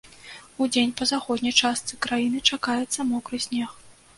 Удзень па заходняй частцы краіны чакаецца мокры снег.